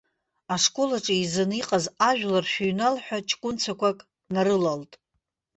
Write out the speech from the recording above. Ашкол аҿы еизаны иҟаз ажәлар, шәыҩнал ҳәа ҷкәынцәақәак нарылалт.